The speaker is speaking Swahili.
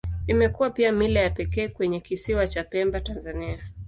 Imekuwa pia mila ya pekee kwenye Kisiwa cha Pemba, Tanzania.